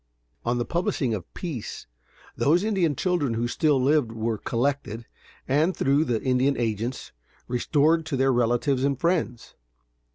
On the publishing of peace, those Indian children who still lived, were collected, and, through the Indian agents, restored to their relatives and friends.